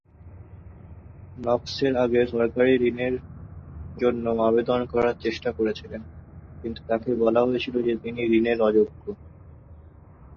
নক্স এর আগে সরকারি ঋণের জন্য আবেদন করার চেষ্টা করেছিলেন, কিন্তু তাকে বলা হয়েছিল যে তিনি ঋণের অযোগ্য।